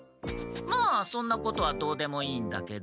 まあそんなことはどうでもいいんだけど。